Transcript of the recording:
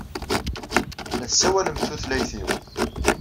La tessawalemt tutlayt-inu.